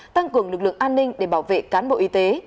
tăng cường lực lượng an ninh để bảo vệ cán bộ y tế